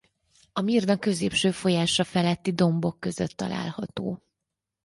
A Mirna középső folyása feletti dombok között található.